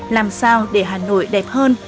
làm sao để hà nội đẹp hơn